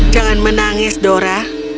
jangan menangis dora